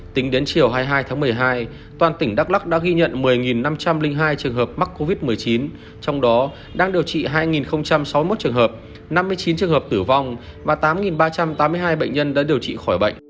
tính đến chiều hai mươi hai tháng một mươi hai toàn tỉnh đắk lắc đã ghi nhận một mươi năm trăm linh hai trường hợp mắc covid một mươi chín trong đó đang điều trị hai sáu mươi một trường hợp năm mươi chín trường hợp tử vong và tám ba trăm tám mươi hai bệnh nhân đã điều trị khỏi bệnh